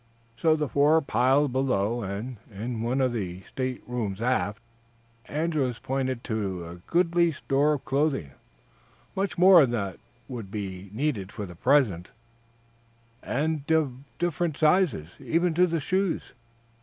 So the four piled below, and, in one of the state rooms aft, Andrews pointed to a goodly store of clothing, much more than would be needed for the present, and of different sizes, even to shoes.